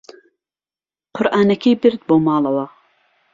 قورئانەکەی برد بۆ ماڵەوە.